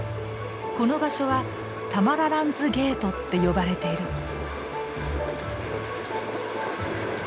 この場所はタマラランズゲートって呼ばれてる。